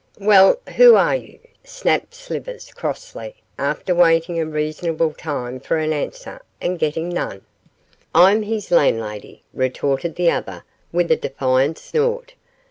'Well, who are you?' snapped Slivers, crossly, after waiting a reasonable time for an answer and getting none. 'I'm his landlady,' retorted the other, with a defiant snort.